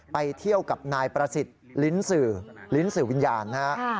ไปเที่ยวกับนายประสิทธิ์ลิ้นสื่อวิญญาณ